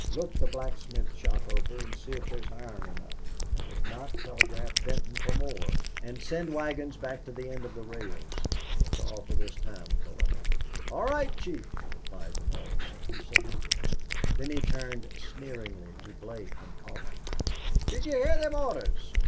Look the blacksmith shop over to see if there's iron enough. If not, telegraph Benton for more for whatever you want and send wagons back to the end of the rails.... That's all for this time, Colohan." "All right, chief," replied the boss, and he saluted. Then he turned sneeringly to Blake and Coffee. "Did you hear them orders?